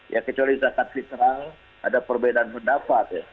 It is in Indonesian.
ya kecuali zakat fitrah ada perbedaan pendapat ya